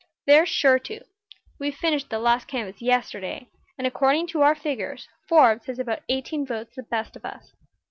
"They're sure to. We finished the last canvass yesterday, and according to our figures Forbes has about eighteen votes the best of us.